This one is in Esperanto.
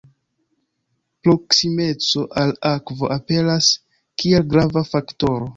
Proksimeco al akvo aperas kiel grava faktoro.